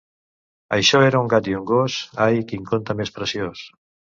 Això era un gat i un gos. Ai, quin conte més preciós!